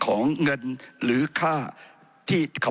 ผมจะขออนุญาตให้ท่านอาจารย์วิทยุซึ่งรู้เรื่องกฎหมายดีเป็นผู้ชี้แจงนะครับ